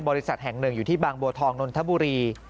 บริษัทแห่งหนึ่งอยู่ที่บางบัวทองนนทบุรี